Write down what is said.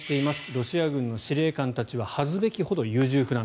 ロシア軍の司令官たちは恥ずべきほど優柔不断